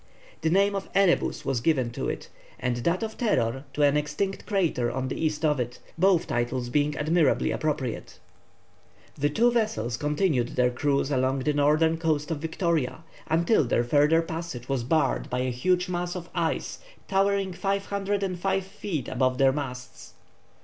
The name of Erebus was given to it, and that of Terror to an extinct crater on the east of it, both titles being admirably appropriate. The two vessels continued their cruise along the northern coast of Victoria, until their further passage was barred by a huge mass of ice towering 505 feet above their masts.